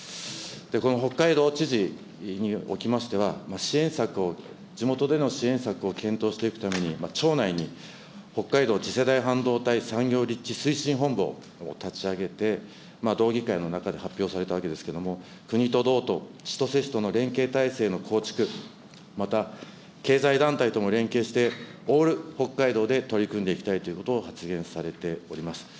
この北海道知事におきましては、支援策を、地元での支援策を検討していくために、町内に北海道次世代半導体産業立地推進本部を立ち上げて、道議会の中で発表されたわけですけれども、国と道と千歳市との連携体制の構築、また経済団体とも連携して、オール北海道で取り組んでいきたいということを発言されております。